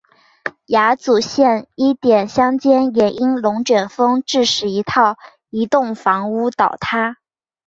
亚祖县伊甸乡间也因龙卷风致使一套移动房屋倒塌。